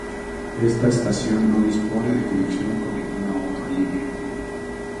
Esta estación no dispone de conexión con ninguna otra línea.